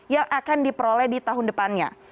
yang akan diperoleh di tahun depannya